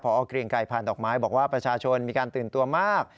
พอเกรียงไกรผ่านดอกไม้บอกว่าประชาชนมีการตื่นตัวมาก